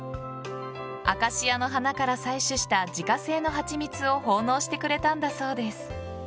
アカシアの花から採取した自家製の蜂蜜を奉納してくれたんだそうです。